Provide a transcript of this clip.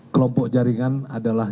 kelompok jaringan adalah